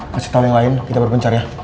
kasih tahu yang lain kita berpencar ya